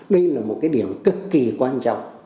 đây là một cái điểm cực kỳ quan trọng